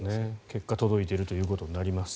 結果、届いているということになります。